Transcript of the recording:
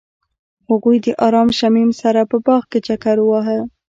هغوی د آرام شمیم سره په باغ کې چکر وواهه.